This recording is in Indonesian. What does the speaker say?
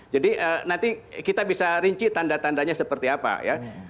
nanti kita bisa rinci tanda tandanya seperti apa ya